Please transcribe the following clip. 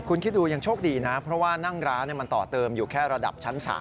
คุณคิดดูยังโชคดีนะเพราะว่านั่งร้านมันต่อเติมอยู่แค่ระดับชั้น๓